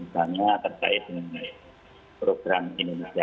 sementara terkait dengan program indonesia pembar